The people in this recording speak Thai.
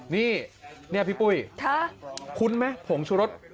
นี่พี่ปุ้ยคุ้นไหมผงชุรส